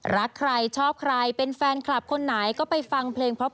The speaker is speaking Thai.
รักใครชอบใครเป็นแฟนคลับคนไหนก็ไปฟังเพลงพร้อม